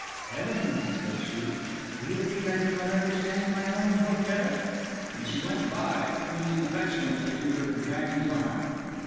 "Heavens!" said she, "do you think I do not understand my own hotel?" And she went by, clinging affectionately to her companion's arm.